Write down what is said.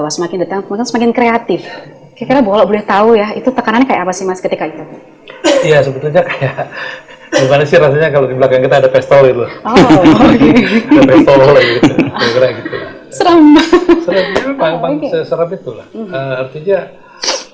semakin kreatif kita boleh tahu ya itu tekanan kayak apa sih ketika itu ya sebetulnya kayak